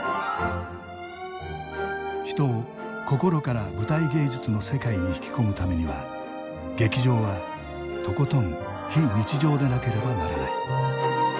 人を心から舞台芸術の世界に引き込むためには劇場はとことん非日常でなければならない。